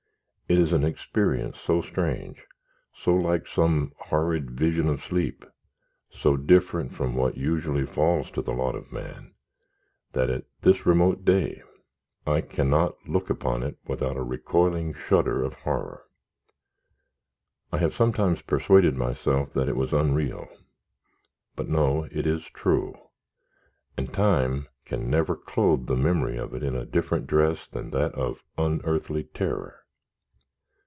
It is an experience so strange, so like some horrid vision of sleep, so different from what usually falls to the lot of man, that, at this remote day, I cannot look upon it without a recoiling shudder of horror. I have sometimes persuaded myself that it was unreal; but no, it is true, and time can never clothe the memory of it in a different dress than that of unearthly terror.